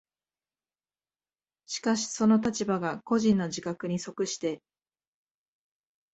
しかしその立場が個人の自覚に即して